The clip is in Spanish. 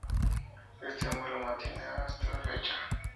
Este nombre lo mantiene hasta la fecha.